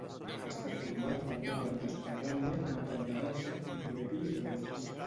Està format per una planta soterrània, una planta baixa, un primer pis i golfes.